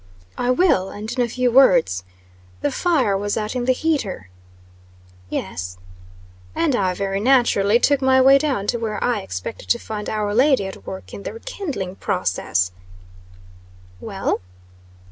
"I will; and in a few words. The fire was out in the heater." "Yes." "And I very naturally took my way down to where I expected to find our lady at work in the re kindling process." "Well?"